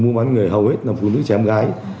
mua bán người hầu hết là phụ nữ trẻ em gái